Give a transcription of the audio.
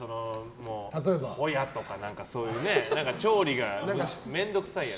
ホヤとかそういう調理が面倒くさいやつ。